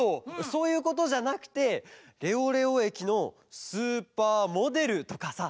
そういうことじゃなくて「レオレオえきのスーパーモデル」とかさ。